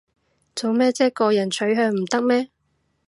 做咩唧個人取向唔得咩